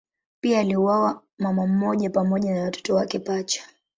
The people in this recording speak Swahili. Pia aliuawa mama mmoja pamoja na watoto wake pacha.